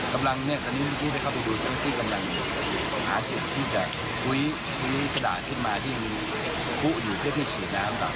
กำลังเนี่ยตอนนี้พี่ไปเข้าไปดูท่านพี่กำลังหาจิตที่จะหุ้ยกระด่าขึ้นมาที่มีคุ้กอยู่เพื่อที่ฉีดน้ำต่าง